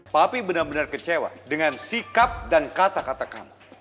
tapi benar benar kecewa dengan sikap dan kata kata kamu